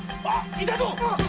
いたぞっ！